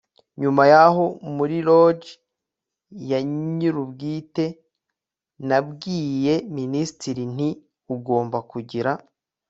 nyuma yaho muri lodge ya nyirubwite nabwiye minisitiri nti 'ugomba kugira